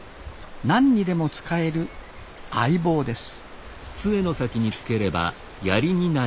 何にでも使える相棒です